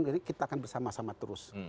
jadi kita akan bersama sama terus